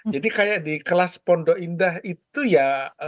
kayak di kelas pondok indah itu ya